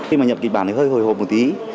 khi mà nhập kịch bản này hơi hồi hộp một tí